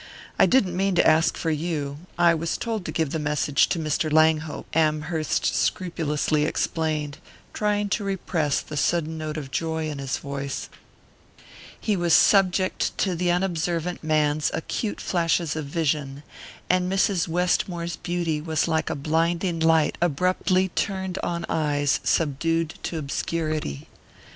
I didn't mean to ask for you I was told to give the message to Mr. Langhope," Amherst scrupulously explained, trying to repress the sudden note of joy in his voice. He was subject to the unobservant man's acute flashes of vision, and Mrs. Westmore's beauty was like a blinding light abruptly turned on eyes subdued to obscurity.